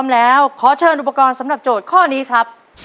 พร้อมแล้วขอเชิญอุปกรณ์สำหรับโจทย์ข้อนี้ครับ